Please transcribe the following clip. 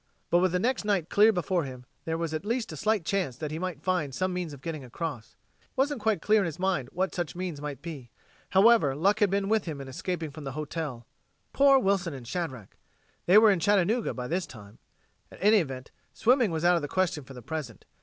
But with the next night clear before him, there was at least a slight chance that he might find some means of getting across. It wasn't quite clear in his mind what such means might be. However, luck had been with him in escaping from the hotel. Poor Wilson and Shadrack! They were in Chattanooga by this time. At any event, swimming was out of the question for the present.